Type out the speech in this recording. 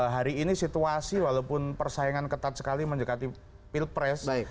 hari ini situasi walaupun persaingan ketat sekali mendekati pilpres